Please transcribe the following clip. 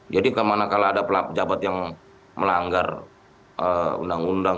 jadi ke mana mana kalau ada jabat yang melanggar undang undang